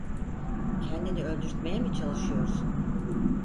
Kendini öldürtmeye mi çalışıyorsun?